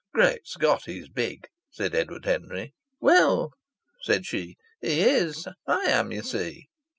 "Great Scott! He's big!" said Edward Henry. "Well," said she, "he is. I am, you see."